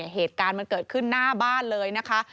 เหตุการณ์มันเกิดขึ้นหน้าบ้านเลยนะคะ